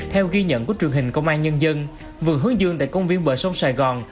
theo ghi nhận của truyền hình công an nhân dân vườn hướng dương tại công viên bờ sông sài gòn